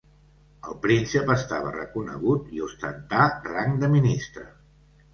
El príncep estava reconegut i ostentà rang de ministre.